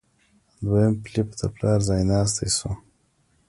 دویم فلیپ د پلار ځایناستی شو.